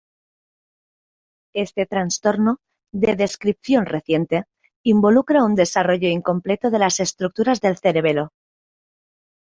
Este trastorno, de descripción reciente, involucra un desarrollo incompleto de las estructuras del cerebelo.